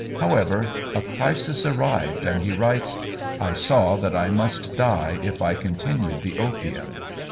However, a crisis arrived, and he writes, "I saw that I must die if I continued the opium.